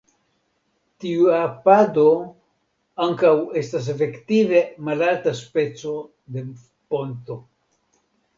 Tia pado ankaŭ estas efektive malalta speco de ponto.